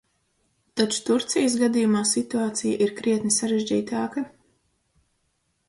Taču Turcijas gadījumā situācija ir krietni sarežģītāka.